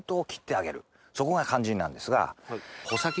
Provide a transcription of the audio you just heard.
そこが肝心なんですが。